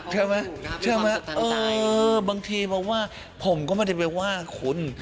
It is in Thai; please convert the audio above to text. ใช่ไหมใช่ไหมเออบางทีมาว่าผมก็ไม่ได้ไปว่าคุณ